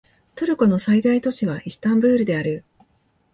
トルコの最大都市はイスタンブールである